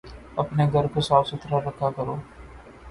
اپنے گھر کو صاف ستھرا رکھا کرو